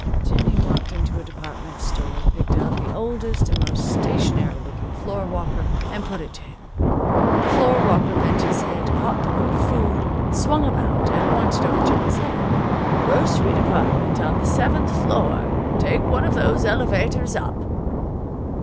Jennie walked into a department store, picked out the oldest and most stationary looking floorwalker, and put it to him. The floorwalker bent his head, caught the word "food," swung about, and pointed over Jennie's head. "Grocery department on the seventh floor. Take one of those elevators up."